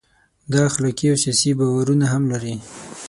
دا اخلاقي او سیاسي باورونه هم لري.